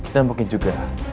dan mungkin juga